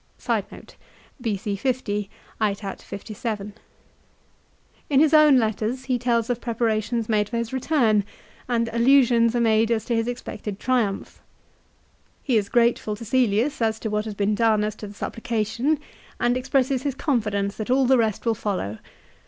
In his own letters he tells of preparations made for his B c go return, and allusions are made as to his expected setat. 57 Triumph. He is grateful to Caelius as to what has been done as to the supplication, and expresses his confidence that all the rest will follow.